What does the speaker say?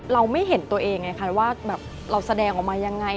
เราไม่เห็นตัวเองไงคะว่าแบบเราแสดงออกมายังไง